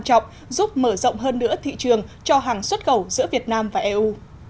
trọng giúp mở rộng hơn nữa thị trường cho hàng xuất khẩu giữa việt nam và eu